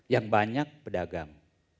yang banyak pedagang